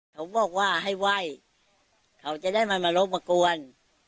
เขาบอกว่าให้ไหว้เขาจะได้มารบมากวน